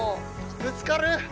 ぶつかる！